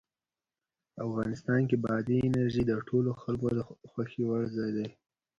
افغانستان کې بادي انرژي د ټولو خلکو د خوښې وړ ځای دی.